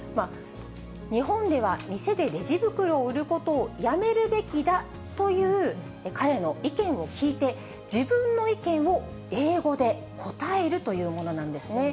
日本では、店でレジ袋を売ることをやめるべきだという彼の意見を聞いて、自分の意見を英語で答えるというものなんですね。